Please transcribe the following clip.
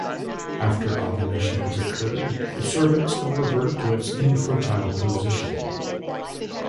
After ovulation has occurred, the cervix will revert to its infertile position.